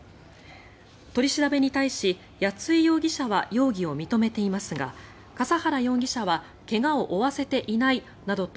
取り調べに対し、谷井容疑者は容疑を認めていますが笠原容疑者は怪我を負わせていないなどと